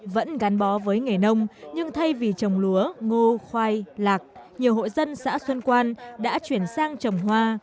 vẫn gắn bó với nghề nông nhưng thay vì trồng lúa ngô khoai lạc nhiều hội dân xã xuân quan đã chuyển sang trồng hoa